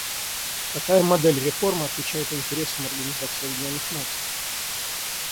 Какая модель реформы отвечает интересам Организации Объединенных Наций?